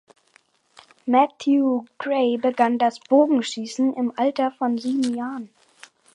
Matthew Gray begann das Bogenschießen im Alter von sieben Jahren.